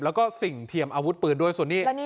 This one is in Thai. แล้วก็สิ่งเทียมอาวุธปืนด้วยส่วนนี้